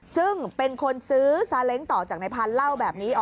ซึ่งเป็นคนซื้อซาเล้งต่อจากนายพันธุ์เล่าแบบนี้